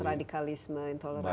radikalisme intoleransi ini sudah ada